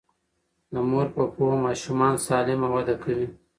د مور په پوهه ماشومان سالم وده کوي.